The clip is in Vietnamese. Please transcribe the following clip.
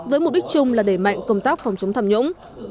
với mục đích chung là đẩy mạnh công tác phòng chống tham nhũng